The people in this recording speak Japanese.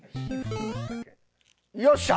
よっしゃ！